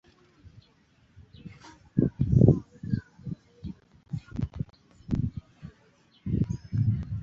Okimugamba otya mu Lungereza, era lulina kuba Luganda.